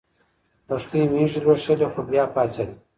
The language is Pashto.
لښتې مېږې لوشلې خو بیا پاڅېده.